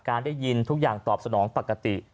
ได้ยินทุกอย่างตอบสนองปกติ